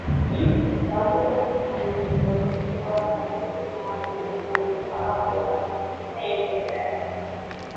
ދަންވަރުގެ ހަމަ ހިމޭން ވަގުތުގައި ހަލަބޮލި މާލެ ވެސް ވަނީ ވަރައް ބޮޑައް ހަމަހިމޭނެ ވެލާފަ